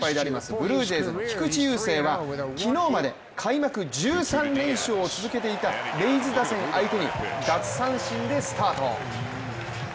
ブルージェイズの菊池雄星は、昨日まで開幕１３連勝を続けていたレイズ打線相手に奪三振でスタート。